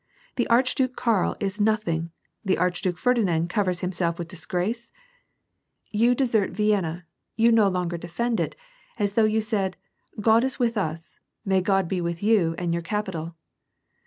The Archduke Karl is doing nothing, the Archduke Ferdinand covers himself with disgrace ? You desert Vienna, you no longer defend it, as though you said, ' God is with us, may God be with you and your capital.'